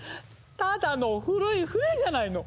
ただの古い船じゃないの！